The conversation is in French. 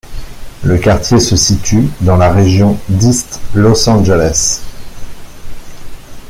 Le quartier se situe dans la région d'East Los Angeles.